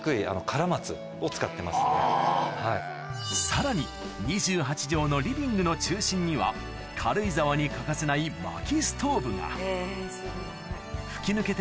さらに２８帖のリビングの中心には軽井沢に欠かせないそしてうわ。